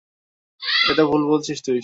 এটা ভুল বলেছিস তুই!